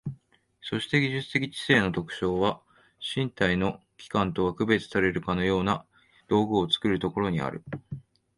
そして技術的知性の特徴は、身体の器官とは区別されるかような道具を作るところにある。